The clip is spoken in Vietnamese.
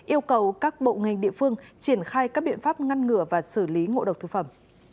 yêu cầu các bộ ngành địa phương triển khai các biện pháp ngăn ngừa và xử lý ngộ độc thực phẩm